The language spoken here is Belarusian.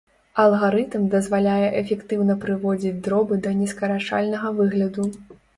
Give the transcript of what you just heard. Алгарытм дазваляе эфектыўна прыводзіць дробы да нескарачальнага выгляду.